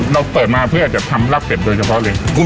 เราเปิดมาเพื่อจะทำลาบเก็บโดยเฉพาะเลย